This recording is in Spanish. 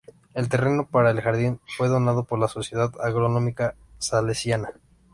El terreno para el jardín fue donado por la Sociedad Agronómica Salesiana.